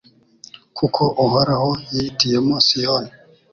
Kuko Uhoraho yihitiyemo Siyoni